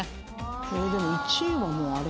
えっでも１位はもうあれ。